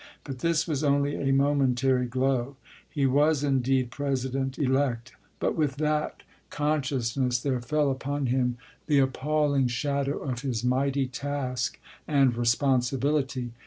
But this was only a momentary glow. He was indeed President elect : but with that con LINCOLN'S CABINET 347 sciousness there fell upon hirn the appalling shadow en. xxrr. of his mighty task and responsibility.